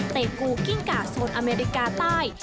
เต๊กูกิ้งกะโซนอเมริกาใต้